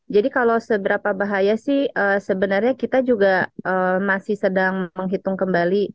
jadi kalau seberapa bahaya sih sebenarnya kita juga masih sedang menghitung kembali